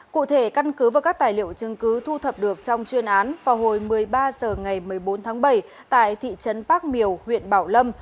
cụ thể căn cứ và các tài liệu chứng cứ thu thập được trong chuyên án vào hồi một mươi ba h ngày một mươi bốn tháng bảy tại thị trấn bác miều huyện bảo lâm